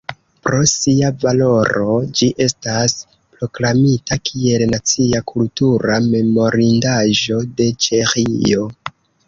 Pro sia valoro ĝi estas proklamita kiel nacia kultura memorindaĵo de Ĉeĥio.